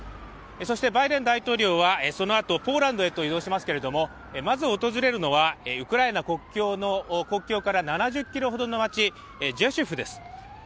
そしてバイデン大統領はそのあとポーランドへと移動しますけれどもまず訪れるのはウクライナ国境から７０ｋｍの街、ジェシュフです。